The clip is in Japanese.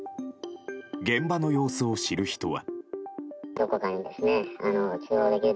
現場の様子を知る人は。